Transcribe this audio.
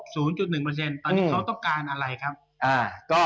ตอนนี้เขาต้องการอะไรครับ